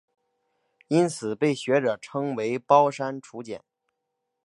因此被学者称为包山楚简。